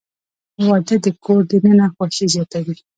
• واده د کور دننه خوښي زیاتوي.